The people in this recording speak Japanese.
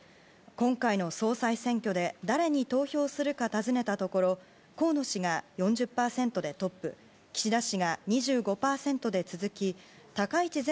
今回の総裁選挙で誰に投票するか尋ねたところ河野氏が４０％でトップ岸田氏が２５％で続き高市前